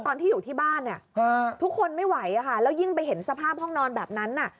ตอนที่อยู่ที่บ้านเนี่ยทุกคนไม่ไหวแล้วยิ่งไปเห็นสภาพห้องนอนแบบนั้น